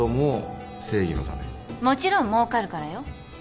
もちろんもうかるからよ。